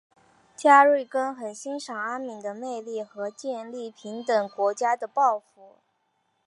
加瑞根很欣赏阿敏的魅力和建立平等国家的抱负。